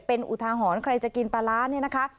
เป็นอุทาหรณ์ใครจะกินปลาร้าเนี่ยนะคะ